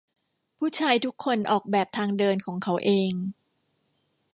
ผู้ชายทุกคนออกแบบทางเดินของเขาเอง